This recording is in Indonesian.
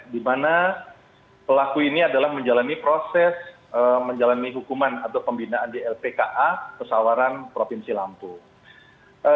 di mana pelaku ini adalah menjalani proses menjalani hukuman atau pembinaan di lpka pesawaran provinsi lampung